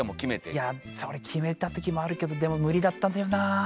いやそれ決めたときもあるけどでも無理だったんだよな。